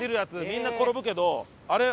みんな転ぶけどあれ。